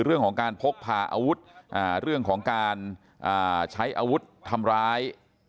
เรื่องของการพกพาอาวุธเรื่องของการใช้อาวุธทำร้าย